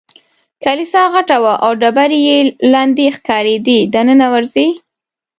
کلیسا غټه وه او ډبرې یې لندې ښکارېدې، دننه ورځې؟